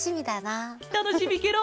たのしみケロ！